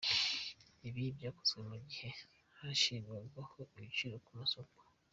Ibi byakozwe mu gihe hashyirwagaho ibiciro ku misoro.